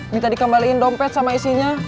minta dikembaliin dompet sama isinya